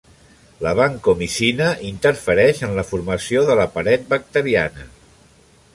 La vancomicina interfereix en la formació de la paret bacteriana.